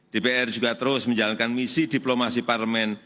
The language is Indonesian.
dpr juga terus menjalankan misi diplomasi parlemen